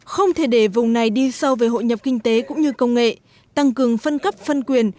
không thể để vùng này đi sâu về hội nhập kinh tế cũng như công nghệ tăng cường phân cấp phân quyền